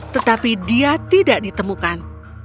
tetapi dia tidak ditemukan